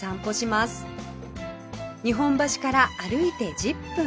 日本橋から歩いて１０分